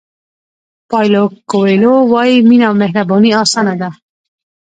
پایلو کویلو وایي مینه او مهرباني اسانه ده.